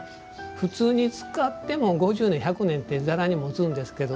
普通に使っても５０年、１００年ってざらにもつんですけれども。